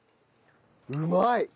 うまい！